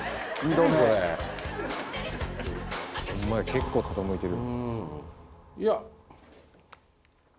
結構傾いてる。